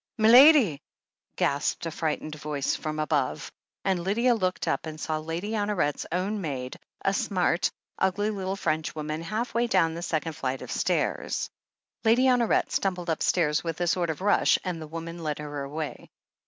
"Milady!" gasped a frightened voice from above, and Lydia looked up and saw Lady Honoret's own maid, a smart, ugly little Frenchwoman, halfway down the second flight of stairs. Lady Honoret sttunbled upstairs with a sort of rush, and the woman led her away.